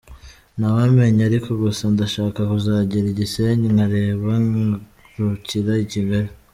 Ntawamenya ariko, gusa ndashaka kuzagera i Gisenyi nkareba, ngarukira i Kigali.